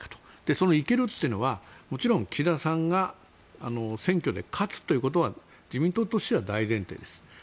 そのいけるというのはもちろん岸田さんが選挙で勝つということは自民党としては大前提です。